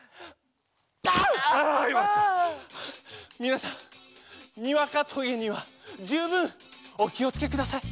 みなさんにわかとげにはじゅうぶんおきをつけください。